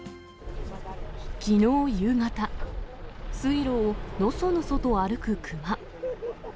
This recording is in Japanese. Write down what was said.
きのう夕方、水路をのそのそと歩く熊。